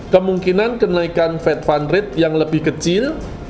kemungkinan kenaikan fed fund rate yang lebih kecil